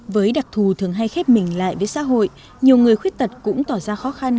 với đặc thù thường hay khép mình lại với xã hội nhiều người khuyết tật cũng tỏ ra khó khăn